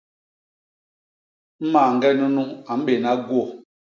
Mañge nunu a mbéna gwô.